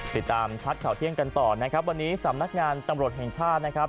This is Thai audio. ติดตามชัดข่าวเที่ยงกันต่อนะครับวันนี้สำนักงานตำรวจแห่งชาตินะครับ